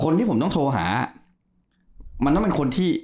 คนที่ผมต้องโทรหามันต้องเป็นคนที่